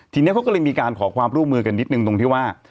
ทีนี้เขาก็เลยมีการขอความร่วมมือกันนิดนึงตรงที่ว่า